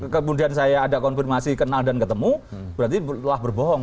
kemudian saya ada konfirmasi kenal dan ketemu berarti telah berbohong